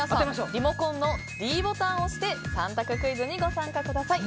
リモコンのｄボタンを押して３択クイズにご参加ください。